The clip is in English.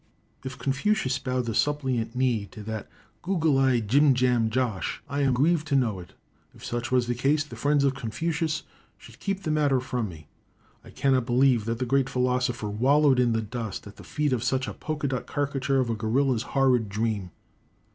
If Confucius bowed the suppliant knee to that goggle eyed jim jam Josh, I am grieved to know it. If such was the case, the friends of Confucius should keep the matter from me. I cannot believe that the great philosopher wallowed in the dust at the feet of such a polka dot carricature of a gorilla's horrid dream.